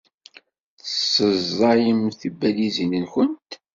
Tessaẓayemt tibalizin-nwent.